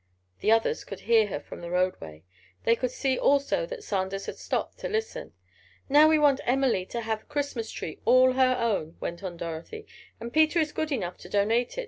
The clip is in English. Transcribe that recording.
The others could hear her from the roadway. They could see, also, that Sanders had stopped to listen. "Now we want Emily to have a Christmas tree, all her own," went on Dorothy, "and Peter is good enough to donate it.